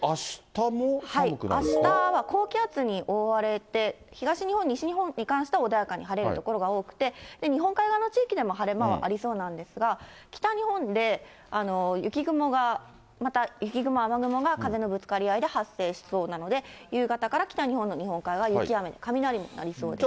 あしたは高気圧に覆われて、東日本、西日本に関しては穏やかに晴れる所が多くて、日本海側の地域でも晴れ間はありそうなんですが、北日本で雪雲が、また雪雲、雨雲が風のぶつかり合いで発生しそうなので、夕方から北日本の日本海側は雪や雨、雷になりそうです。